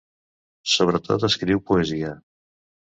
Sobretot escriu poesia.